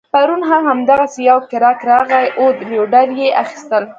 پرون هم دغسي یو ګیراک راغی عود لوینډر يې اخيستل